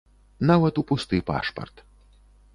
Нават у пусты пашпарт.